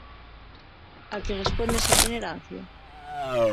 A que responde esa itinerancia?